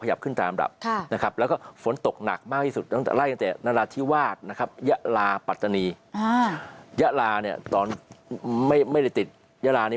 เราจะนับตอนขึ้นฝั่งไม่ได้